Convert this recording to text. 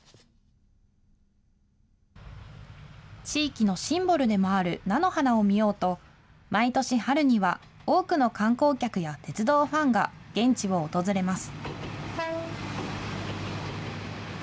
地域のシンボルでもある菜の花を見ようと、毎年春には、多くの観光客や鉄道ファンが現地を訪れます。